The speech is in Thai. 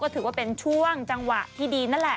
ถือเป็นช่วงจังหวะที่ดี